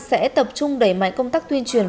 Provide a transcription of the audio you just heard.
sẽ tập trung đẩy mạnh công tác tuyên truyền